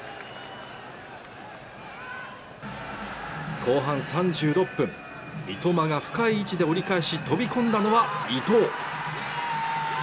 後半３６分、三笘が深い位置で折り返し飛び込んだのは伊東。